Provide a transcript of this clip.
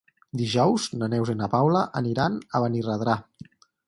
Dijous na Neus i na Paula aniran a Benirredrà.